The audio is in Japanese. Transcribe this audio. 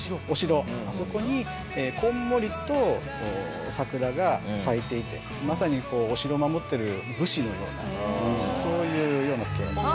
あそこにこんもりと桜が咲いていてまさにお城を守ってる武士のようなそういうような風景。